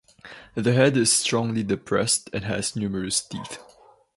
The head is strongly depressed and has numerous teeth.